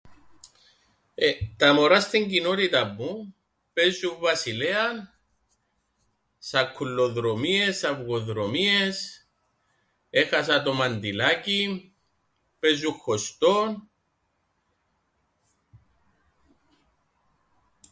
Ε... τα μωρά στην κοινότηταν μου παίζουν βασιλέαν, σακκουλλοδρομίες, αβγοδρομίες, έχασα το μαντιλάκιν... παίζουν χωστόν.